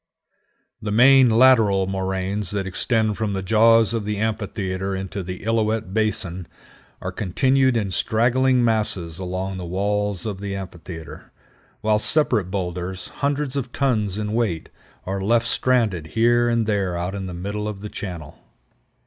The main lateral moraines that extend from the jaws of the amphitheater into the Illilouette Basin are continued in straggling masses along the walls of the amphitheater, while separate boulders, hundreds of tons in weight, are left stranded here and there out in the middle of the channel.